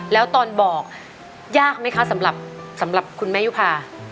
แล้วตอนบอกยากไหมคะสำหรับคุณแม่ยุภา